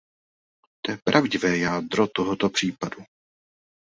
To je pravdivé jádro tohoto případu.